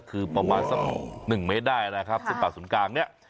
คือประมาณสักหนึ่งเมตรได้นะครับเส้นป่าศูนย์กลางเนี่ย